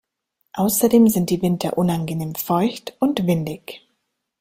Außerdem sind die Winter unangenehm feucht und windig.